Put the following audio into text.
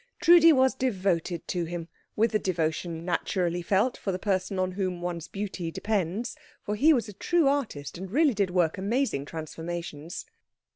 Trudi was devoted to him, with the devotion naturally felt for the person on whom one's beauty depends, for he was a true artist, and really did work amazing transformations.